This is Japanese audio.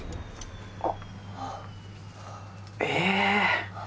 あっえ。